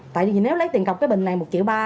tại vì nếu lấy tiền cọc cái bình này một triệu ba